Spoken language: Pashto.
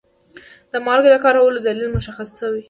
د مالګې د کارولو دلیل مشخص شوی وي.